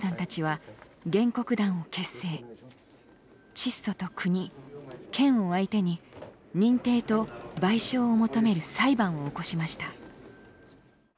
チッソと国・県を相手に認定と賠償を求める裁判を起こしました。